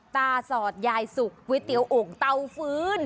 ตาสอดยายสุกเวตรียวโอ่งเต่าฟืน